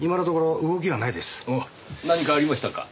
何かありましたか？